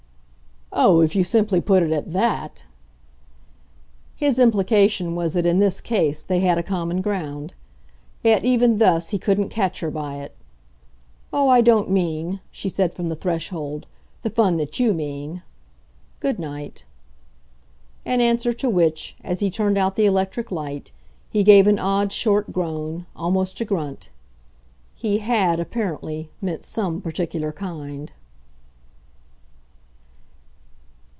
"Oh, if you simply put it at THAT !" His implication was that in this case they had a common ground; yet even thus he couldn't catch her by it. "Oh, I don't mean," she said from the threshold, "the fun that you mean. Good night." In answer to which, as he turned out the electric light, he gave an odd, short groan, almost a grunt. He HAD apparently meant some particular kind.